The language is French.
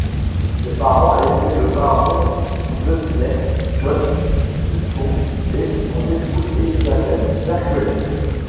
Ses parents étaient le baron Dudley John Sutton et son épouse Elizabeth Berkeley.